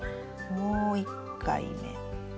もう一回目。